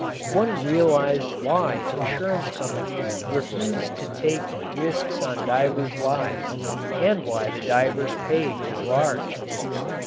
One realized why insurance companies refuse to take risks on divers' lives, and why the diver's pay is large.